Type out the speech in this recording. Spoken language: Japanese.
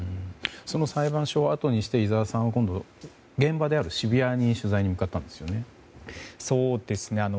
その裁判所をあとにして井澤さんは今度、現場である渋谷に取材に向かったんですよね？